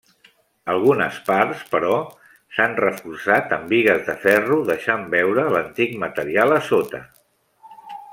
Algunes parts però s’han reforçat amb bigues de ferro deixant veure l’antic material a sota.